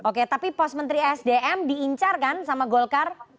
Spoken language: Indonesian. oke tapi pos pos menteri sdm diincarkan sama golkar